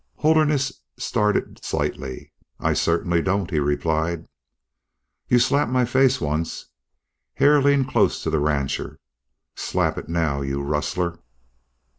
Holderness started slightly. "I certainly don't," he replied. "You slapped my face once." Hare leaned close to the rancher. "Slap it now you rustler!"